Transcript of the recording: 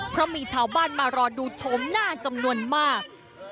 เพราะมีชาวบ้านมารอดูชมหน้าจำนวนมาก